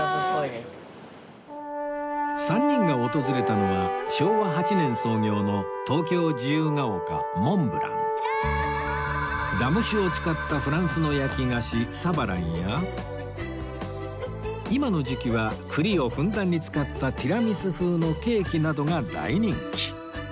３人が訪れたのはラム酒を使ったフランスの焼き菓子サバランや今の時期は栗をふんだんに使ったティラミス風のケーキなどが大人気